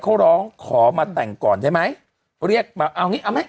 เขาร้องขอมาแต่งก่อนได้ไหมเรียกมาเอางี้เอาไหม